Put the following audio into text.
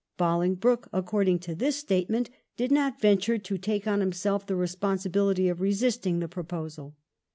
BoHngbroke, according to this statement, did not venture to take on himself the responsibility of re sisting the proposal.